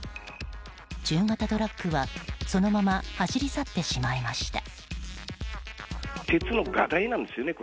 中型トラックはそのまま走り去ってしまいました。